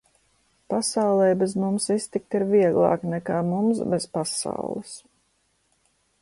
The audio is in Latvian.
Pasaulei bez mums iztikt ir vieglāk nekā mums bez pasaules.